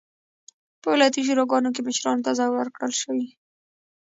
په ولایتي شوراګانو کې مشرانو ته ځای ورکړل شي.